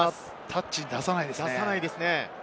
タッチに出さないですね。